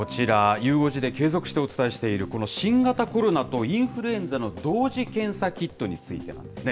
ゆう５時で継続してお伝えしている、この新型コロナとインフルエンザの同時検査キットについてなんですね。